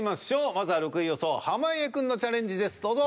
まずは６位予想濱家くんのチャレンジですどうぞ！